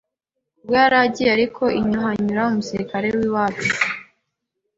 Ubwo yargiye ariko inyu hanyura umusirikare w’iwacu